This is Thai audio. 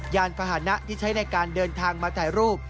ยานพาหนะที่ใช้ในการเดินทางมาถ่ายรูป